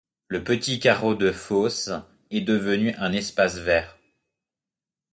Le petit carreau de fosse est devenu un espace vert.